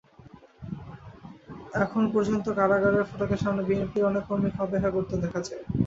এখন পর্যন্ত কারাগারের ফটকের সামনে বিএনপির অনেক কর্মীকে অপেক্ষা করতে দেখা যায়।